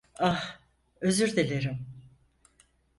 Ah, özür dilerim.